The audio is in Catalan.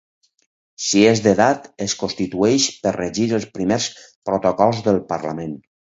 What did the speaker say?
Si és d'edat es constitueix per regir els primers protocols del Parlament.